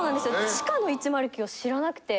地下の１０９を知らなくて。